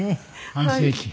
半世紀。